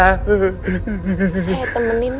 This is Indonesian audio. saya temenin ya